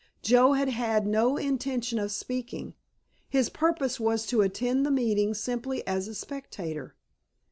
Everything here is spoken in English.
Joe had had no intention of speaking, his purpose was to attend the meeting simply as a spectator.